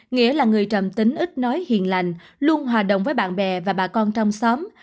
nghĩa là người trầm tính ít nói hiền lành luôn hòa đồng với bạn bè và bà con trong xóm